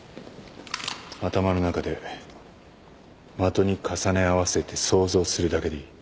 頭の中で的に重ね合わせて想像するだけでいい。